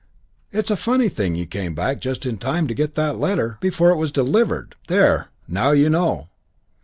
It's a funny thing you came back just in time to get that letter! Before it was delivered! There! Now you know!"